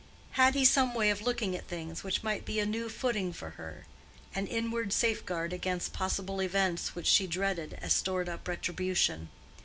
Had he some way of looking at things which might be a new footing for her—an inward safeguard against possible events which she dreaded as stored up retribution?